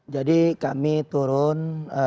jadi kami turun